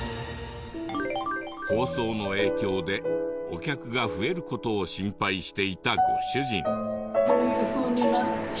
放送の影響でお客が増える事を心配していたご主人。